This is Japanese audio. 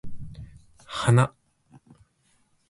花